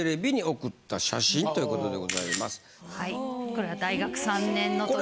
これは大学３年の時に。